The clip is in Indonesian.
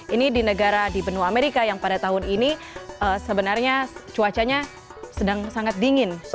ini di negara di benua amerika yang pada tahun ini sebenarnya cuacanya sedang sangat dingin